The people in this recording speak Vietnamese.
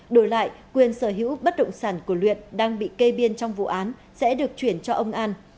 đổi lại quyền sở hữu bất động sản của luyện đang bị kê biên trong vụ án sẽ được chuyển cho ông an